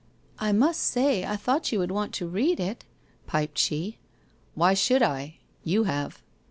' I must say I thought you would want to read it ?' piped she. 'Why should I? You have.'